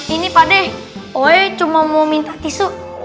ini pak deh gue cuma mau minta tisu